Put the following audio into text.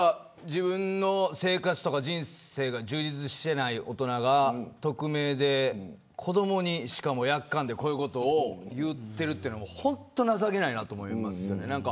自分の生活や人生が充実していな大人が匿名で、しかも子どもにやっかんでこういうことを言っているの本当に情けないと思います。